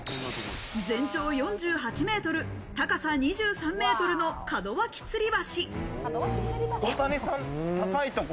全長４８ｍ、高さ２３ｍの門脇吊橋。